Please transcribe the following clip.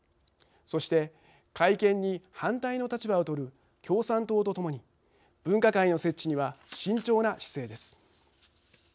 そして、改憲に反対の立場をとる共産党とともに分科会の設置には慎重な姿勢です。